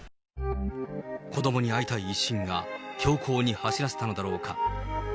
子どもに会いたい一心が、凶行に走らせたのだろうか。